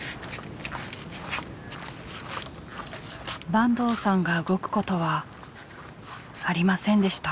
坂東さんが動くことはありませんでした。